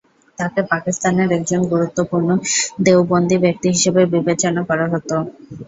তাকে পাকিস্তানের একজন গুরুত্বপূর্ণ দেওবন্দি ব্যক্তিত্ব হিসেবে বিবেচনা করা হত।